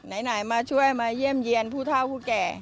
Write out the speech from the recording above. ไหนมาช่วยมาเยี่ยมเยี่ยนผู้เท่าผู้แก่